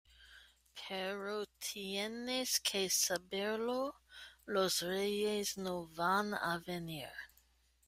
pero tienes que saberlo. los Reyes no van a venir .